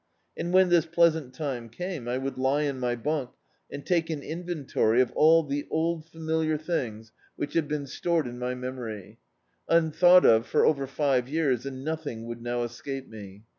And when this pleasant time came, I would lie in my bunk and take an in ventory of all the old familiar thin^ which had D,i.,.db, Google Home been stored in my memory, unthought of for over five years, and nodiing would now escape me.